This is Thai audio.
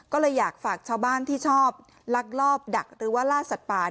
ก็เลยอยากฝากชาวบ้านที่ชอบลักลอบดักหรือว่าล่าสัตว์ป่า